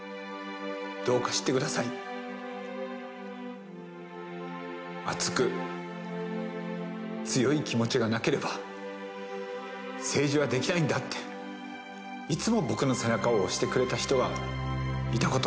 「どうか知ってください」「熱く強い気持ちがなければ政治はできないんだっていつも僕の背中を押してくれた人がいたことを」